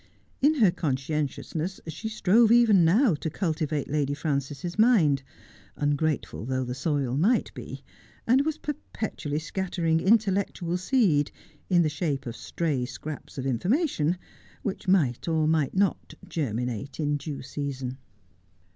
In her conscien tiousness she strove even now to cultivate Lady Frances's mind, ungrateful though the soil might be, and was perpetually scatter ing intellectual seed, in the shape of stray scraps of information, which might or might not germinate in due season.